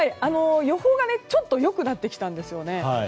予報がちょっと良くなってきたんですね。